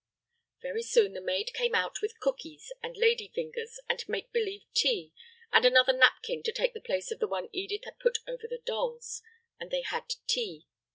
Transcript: Very soon the maid came out with cookies and lady fingers and make believe tea, and another napkin to take the place of the one Edith had put over the dolls, and they had tea.